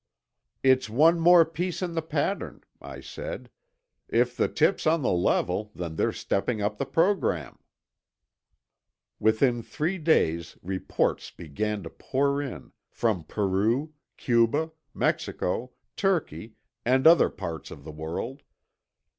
"It's one more piece in the pattern," I said. "If the tip's on the level, then they're stepping up the program." Within three days, reports began to pour in—from Peru, Cuba, Mexico, Turkey, and other parts of the world.